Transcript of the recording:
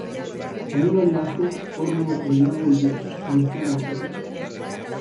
Animalia askok orno gehiago dituzte, buztana eratuz.